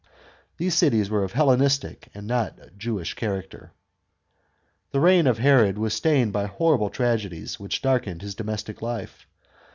These cities were of Hellenistic and not Jewish character. The reign of Herod was stained by horrible tragedies, which darkened his domestic life.